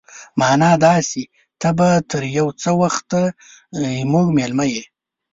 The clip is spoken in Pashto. مانا دا چې ته به تر يو څه وخته زموږ مېلمه يې.